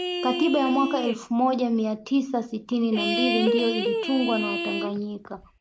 Katiba ya mwaka elfu moja mia tisa sitini na mbili ndiyo ilitungwa na watanganyika